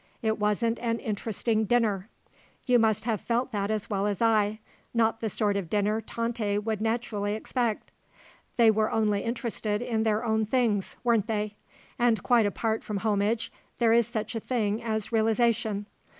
It wasn't an interesting dinner, you must have felt that as well as I, not the sort of dinner Tante would naturally expect. They were only interested in their own things, weren't they? And quite apart from homage, there is such a thing as realisation.